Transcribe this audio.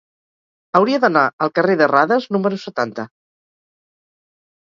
Hauria d'anar al carrer de Radas número setanta.